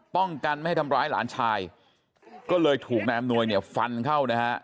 ป้องกันไม่ให้ทำร้ายหลานชายก็เลยถูกนายอำนวยเนี่ยฟันเข้านะฮะ